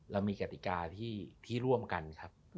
เรามีกติกาที่ร่วมกันครับ